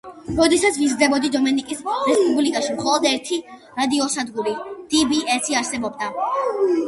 როდესაც ვიზრდებოდი დომენიკის რესპუბლიკაში, მხოლოდ ერთი რადიოსადგური დი-ბი-ესი არსებობდა.